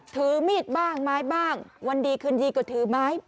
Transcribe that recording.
ถือมีดบ้างไม้บ้างวันดีคืนดีก็ถือไม้